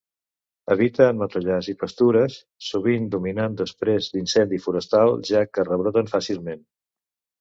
Habita en matollars i pastures, sovint dominant després d'incendi forestal, ja que rebroten fàcilment.